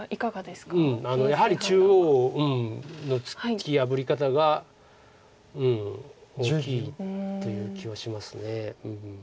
やはり中央の突き破り方が大きいという気はします。